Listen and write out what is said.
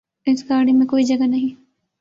اس گاڑی میں کوئی جگہ نہیں